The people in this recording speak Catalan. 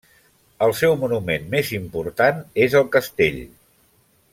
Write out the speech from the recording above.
El seu monument més important és el castell.